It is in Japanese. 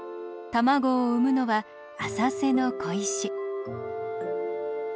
卵を産むのは浅瀬の小石。